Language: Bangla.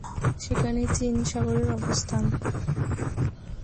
সেখানেই চীন সাগরের অবস্থান।